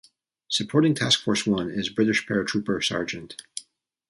Supporting Task Force One is British paratrooper Sgt.